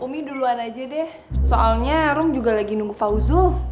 umi duluan aja deh soalnya rom juga lagi nunggu fauzul